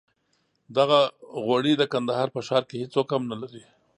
دغه غوړي د کندهار په ښار کې هېڅوک هم نه لري.